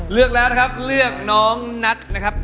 เลือกแล้วนะครับเลือกน้องนัทนะครับ